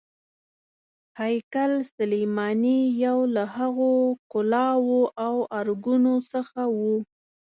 هیکل سلیماني یو له هغو کلاوو او ارګونو څخه و.